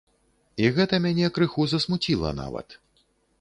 І гэта мяне крыху засмуціла нават.